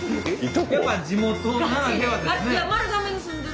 やっぱ地元ならではですね。